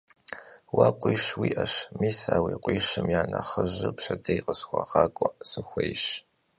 Vue khuiş vui'eş, mis a vui khuişım ya nexhıjır pşedêy khısxueğak'ue sıxuêyş.